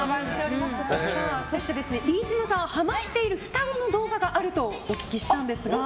そして、飯島さんハマっている双子の動画があるとお聞きしたんですが。